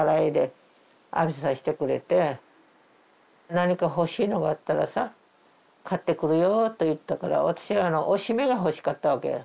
「何か欲しいのがあったらさ買ってくるよ」と言ったから私はおしめが欲しかったわけよ。